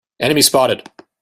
Enemy spotted!